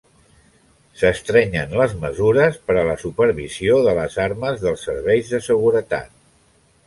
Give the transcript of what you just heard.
S'estrenyen les mesures per a la supervisió de les armes dels serveis de seguretat.